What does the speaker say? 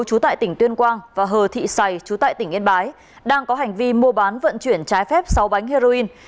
chú tại tỉnh tuyên quang và hờ thị sầy trú tại tỉnh yên bái đang có hành vi mua bán vận chuyển trái phép sáu bánh heroin